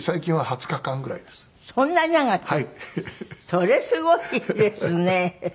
それすごいですね。